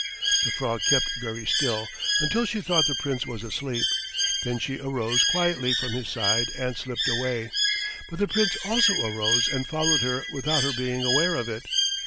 The frog kept very still until she thought the Prince was asleep. Then she arose quietly from his side and slipped away, but the Prince also arose and followed her without her being aware of it.